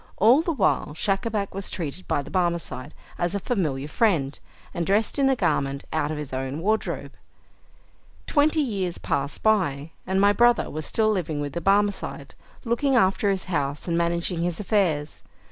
All the while Schacabac was treated by the Barmecide as a familiar friend, and dressed in a garment out of his own wardrobe. Twenty years passed by, and my brother was still living with the Barmecide, looking after his house, and managing his affairs.